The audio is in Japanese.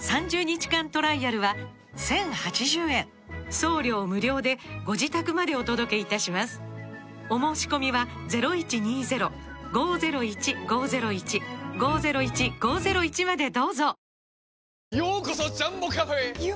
送料無料でご自宅までお届けいたしますお申込みはあっつい！